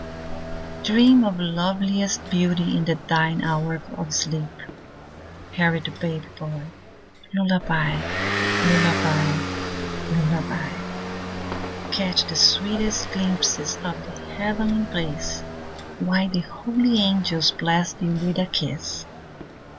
Dream of loveliest beauty in thine hour of sleep, Harold, baby boy. Lullaby, lullaby, lullaby. Catch the sweetest glimpses of the heavenly bliss, While the holy angels bless thee with a kiss.